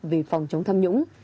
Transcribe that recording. vì phòng chống tham nhũng